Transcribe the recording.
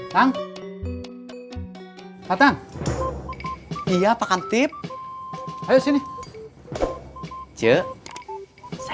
dengan bahasa indonesia